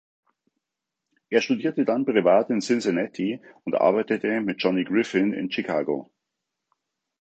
Er studierte dann privat in Cincinnati und arbeitete mit Johnny Griffin in Chicago.